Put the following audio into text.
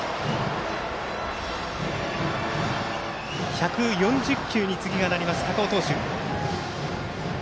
１４０球になります、高尾投手。